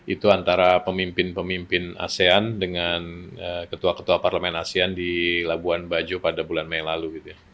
itu antara pemimpin pemimpin asean dengan ketua ketua parlemen asean di labuan bajo pada bulan mei lalu